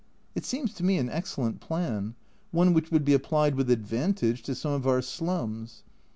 It seems to me an excellent plan one which would be applied with advantage to some of our slums.